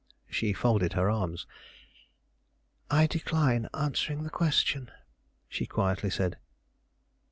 She folded her arms. "I decline answering the question," she quietly said.